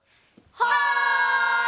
はい！